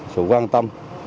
sự quan tâm